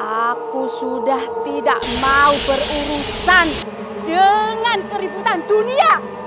aku sudah tidak mau berurusan dengan keributan dunia